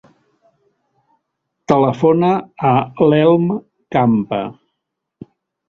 Telefona a l'Elm Campa.